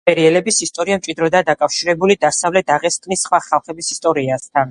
ღოდობერიელების ისტორია მჭიდროდაა დაკავშირებული დასავლეთ დაღესტნის სხვა ხალხების ისტორიასთან.